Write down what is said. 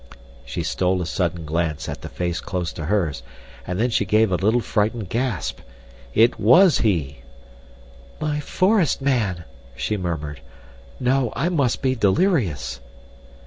She stole a sudden glance at the face close to hers, and then she gave a little frightened gasp. It was he! "My forest man!" she murmured. "No, I must be delirious!"